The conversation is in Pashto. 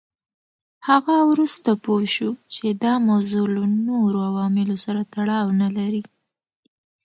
هغه وروسته پوه شو چې دا موضوع له نورو عواملو سره تړاو نه لري.